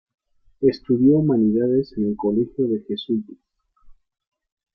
Estudió humanidades en el colegio de jesuitas.